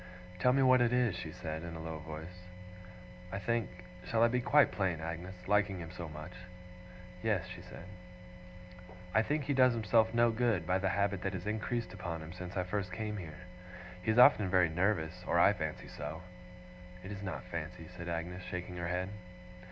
'Tell me what it is,' she said, in a low voice. 'I think shall I be quite plain, Agnes, liking him so much?' 'Yes,' she said. 'I think he does himself no good by the habit that has increased upon him since I first came here. He is often very nervous or I fancy so.' 'It is not fancy,' said Agnes, shaking her head.